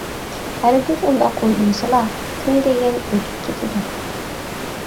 -ھەرگىز ئۇنداق ئويلىمىسىلا، كۈن دېگەن ئۆتۈپ كېتىدۇ.